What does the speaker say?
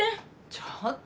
ちょっと。